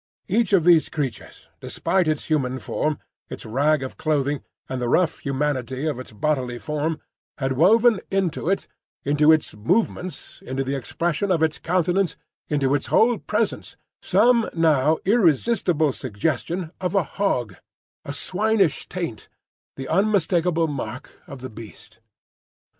Each of these creatures, despite its human form, its rag of clothing, and the rough humanity of its bodily form, had woven into it—into its movements, into the expression of its countenance, into its whole presence—some now irresistible suggestion of a hog, a swinish taint, the unmistakable mark of the beast.